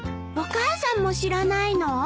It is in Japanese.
お母さんも知らないの？